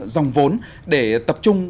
dòng vốn để tập trung